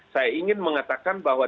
saya ingin mengatakan bahwa